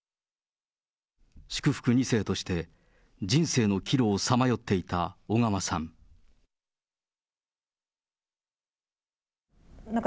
祝福２世として、人生の岐路をさまよっていた小川さん。